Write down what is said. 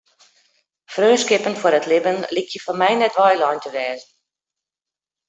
Freonskippen foar it libben lykje foar my net weilein te wêze.